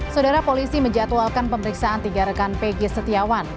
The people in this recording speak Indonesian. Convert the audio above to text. saudara polisi menjatuhkan pemeriksaan tiga rekan pg setiawan